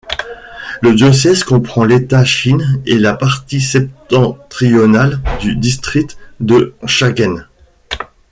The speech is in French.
Le diocèse comprend l'État Chin et la partie septentrionale du district de Sagaing.